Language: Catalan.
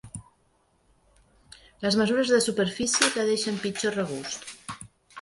Les mesures de superfície que deixen pitjor regust.